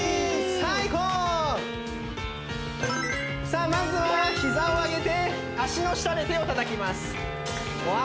さあまずは膝を上げて脚の下で手をたたきますうわ